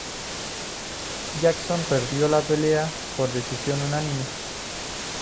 Jackson perdió la pelea por decisión unánime.